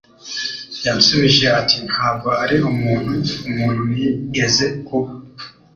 Yansubije ati Ntabwo ari umuntu umuntu nigeze kuba